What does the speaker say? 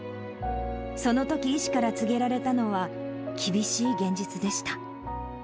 そのとき、医師から告げられたのは、厳しい現実でした。